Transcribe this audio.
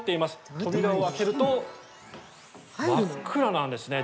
扉を開けると、真っ暗なんですね。